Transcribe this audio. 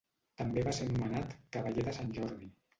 També va ser nomenat cavaller de Sant Jordi.